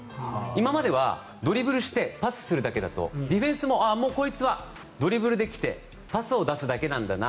今まではドリブルしてパスするだけだとディフェンスもこいつはドリブルで来てパスを出すだけなんだな